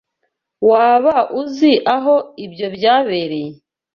Waba uzi aho ibyo byabereye?